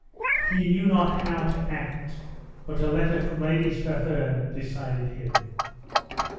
He knew not bow to act, but a letter from Lady Strathearn decided him.